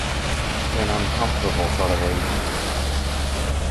An uncomfortable sort of age.